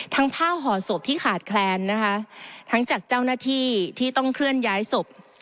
ผ้าห่อศพที่ขาดแคลนนะคะทั้งจากเจ้าหน้าที่ที่ต้องเคลื่อนย้ายศพ